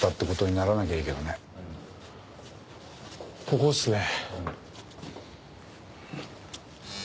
ここっすね。